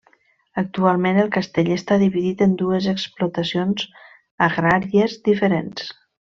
Actualment el castell està dividit en dues explotacions agràries diferents.